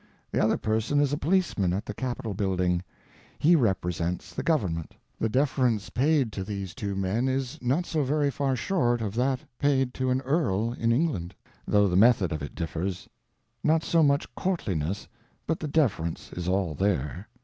The other person is a policeman at the capitol building. He represents the government. The deference paid to these two men is not so very far short of that paid to an earl in England, though the method of it differs. Not so much courtliness, but the deference is all there.